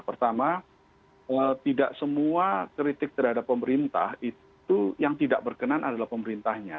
pertama tidak semua kritik terhadap pemerintah itu yang tidak berkenan adalah pemerintahnya